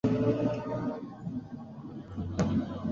mahakama ya makosa ya jinai inajitahidi sana kufanya kazi